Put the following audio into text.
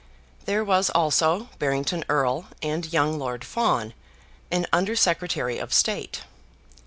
There was also Barrington Erle and young Lord Fawn, an Under Secretary of State.